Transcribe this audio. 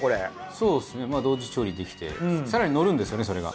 そうですねまあ同時調理できて更にのるんですよねそれが。